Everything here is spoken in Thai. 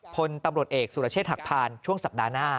พลตำรวจเอกสุรเชษฐหักพานช่วงสัปดาห์หน้า